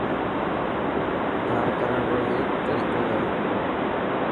ڌار ڪرڻ رو هيڪ طريقو هي.